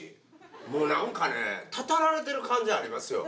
もうなんかね、祟られてる感じありますよ。